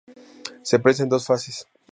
Se prensa en dos fases.